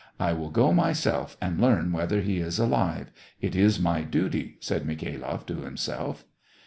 I will go myself and learn whether he is alive. It is my duty," said Mikhat loff to himself.